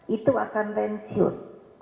itu akan pensiun